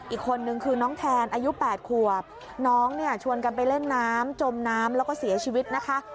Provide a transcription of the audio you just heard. อีกคนนึงคือน้องแทนอายุ๘ขวบน้องเนี่ยชวนกันไปเล่นน้ำจมน้ำแล้วก็เสียชีวิตนะคะ